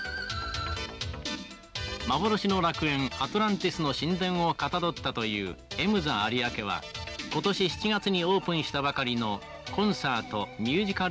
「幻の楽園アトランティスの神殿をかたどったというＭＺＡ有明は今年７月にオープンしたばかりのコンサートミュージカル用ホール」。